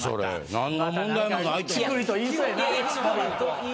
何の問題もないと思う。